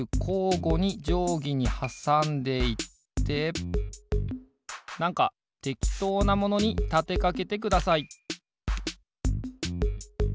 ごにじょうぎにはさんでいってなんかてきとうなものにたてかけてください